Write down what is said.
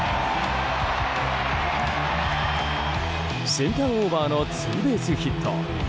センターオーバーのツーベースヒット。